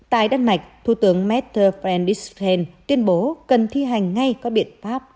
tại đan mạch thủ tướng mette frendersen tuyên bố cần thi hành ngay các biện pháp